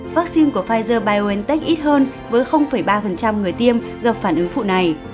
vaccine của pfizer biontech ít hơn với ba người tiêm gặp phản ứng phụ này